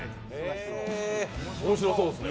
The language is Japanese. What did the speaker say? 面白そうですね。